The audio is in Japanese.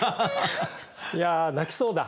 いや泣きそうだ。